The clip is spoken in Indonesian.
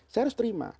saya harus terima